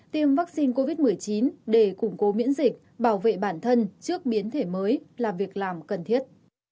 tiêm vaccine covid một mươi chín để củng cố miễn dịch bảo vệ bản thân trước biến thể mới là việc làm cần thiết